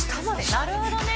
なるほどね